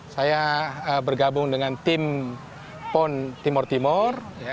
saya bergabung dengan tim pon timur timur